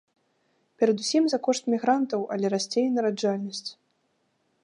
Перадусім за кошт мігрантаў, але расце і нараджальнасць.